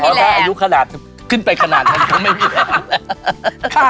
เพราะถ้าอายุขนาดขึ้นไปขนาดนั้นยังไม่ผิด